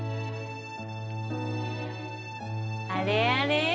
あれあれ？